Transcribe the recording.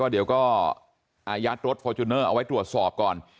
เดี๋ยวก็อายัดรถฟอร์จูเนอร์เอาไว้ตรวจสอบก่อน